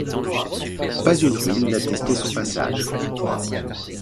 Pas une ruine n’attestait son passage.